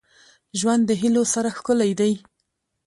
• ژوند د هيلو سره ښکلی دی.